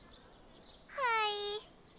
はい。